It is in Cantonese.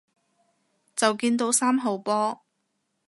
就見到三號波